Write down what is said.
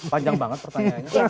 panjang banget pertanyaannya